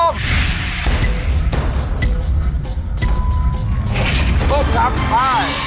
๑ค่ะ